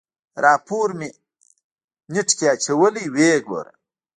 راپور مې نېټ کې اچولی ويې ګوره.